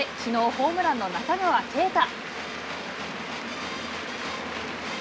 ホームランの中川圭太。